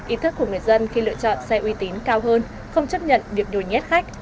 ý thức của người dân khi lựa chọn xe uy tín cao hơn không chấp nhận việc nhồi nhét khách